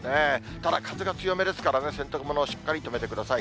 ただ、風が強めですからね、洗濯物はしっかり留めてください。